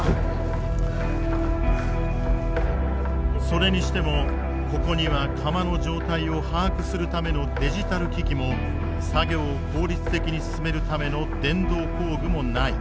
それにしてもここには釜の状態を把握するためのデジタル機器も作業を効率的に進めるための電動工具もない。